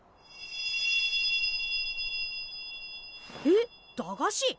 えっ駄菓子？